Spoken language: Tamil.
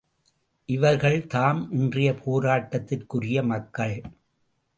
இவர்கள்தாம் இன்றைய போராட்டத்திற்குரிய மக்கள்.